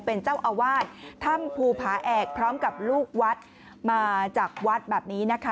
เป็นเจ้าอาวาสถ้ำภูผาแอกพร้อมกับลูกวัดมาจากวัดแบบนี้นะคะ